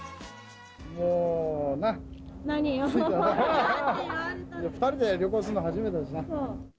もうな、着いたな、２人で旅行するの初めてだしな。